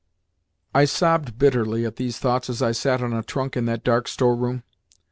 _'" I sobbed bitterly at these thoughts as I sat on a trunk in that dark storeroom.